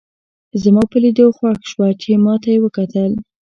زما په لیدو خوښ شوه چې ما ته یې وکتل.